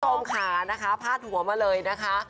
คุณผู้ชมค่ะนะคะพาดหัวมาเลยนะคะ